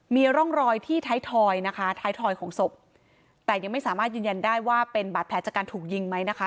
มีร่องรอยที่ท้ายทอยนะคะท้ายทอยของศพแต่ยังไม่สามารถยืนยันได้ว่าเป็นบาดแผลจากการถูกยิงไหมนะคะ